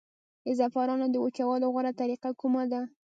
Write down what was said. د زعفرانو د وچولو غوره طریقه کومه ده؟